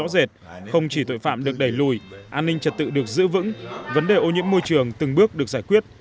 để lùi an ninh trật tự được giữ vững vấn đề ô nhiễm môi trường từng bước được giải quyết